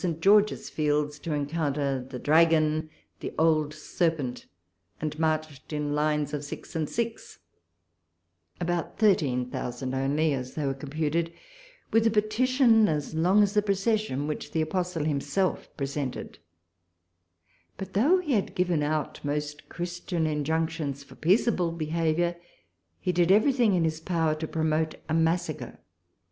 George's Fields to encounter the dragon, the old serpent, and marched in lines of six and six — about thirteen thousand only, as they were computed — with a petition as long as the procession, which the apostle himself presented ; but, though he had given out most Christian injunctions for peaceable behaviour, he did everything in his power to promote a massacre.